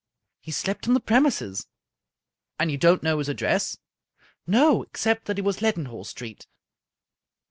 " He slept on the premises." " And you don't know his address ?"" No — except that it was Leadenhall Street."